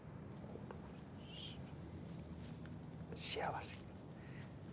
幸せ。